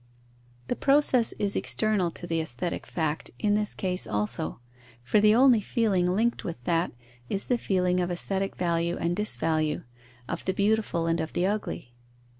The process is external to the aesthetic fact In this case also; for the only feeling linked with that is the feeling of aesthetic value and disvalue, of the beautiful and of the ugly.